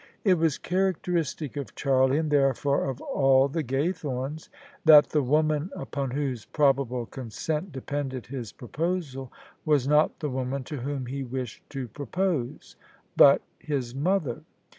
It was characteristic of Charlie — and therefore of all the OF ISABEL CARNABY Gaythornes — that the woman upon whose probable consent depended his proposal was not the woman to whom he wished to propose, but his mother.